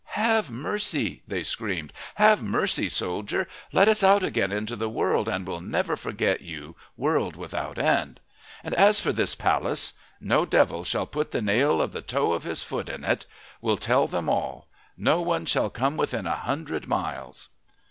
"Have mercy!" they screamed. "Have mercy, soldier! Let us out again into the world, and we'll never forget you world without end. And as for this palace.... No devil shall put the nail of the toe of his foot in it. We'll tell them all. Not one shall come within a hundred miles."